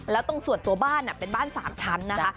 แล้วตรงส่วนตัวบ้านเป็นบ้าน๓ชั้นนะคะ